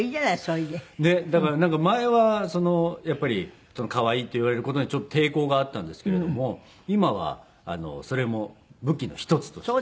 だから前はやっぱり「可愛い」って言われる事に抵抗があったんですけれども今はそれも武器の一つとして。